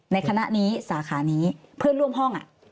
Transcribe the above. ในคณะนี้สาขานี้เพื่อนร่วมห้อง